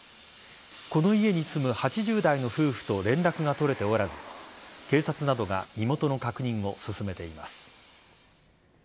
この家に住む８０代の夫婦と連絡が取れておらず警察などが身元の確認を進めています。